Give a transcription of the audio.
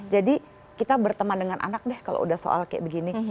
jadi kita berteman dengan anak deh kalau udah soal kayak begini